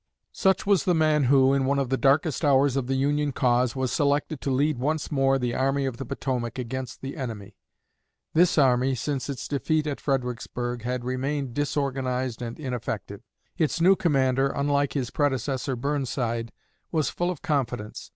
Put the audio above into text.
Such was the man who, in one of the darkest hours of the Union cause, was selected to lead once more the Army of the Potomac against the enemy. This army, since its defeat at Fredericksburg, had remained disorganized and ineffective. Its new commander, unlike his predecessor Burnside, was full of confidence.